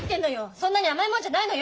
そんなに甘いもんじゃないのよ！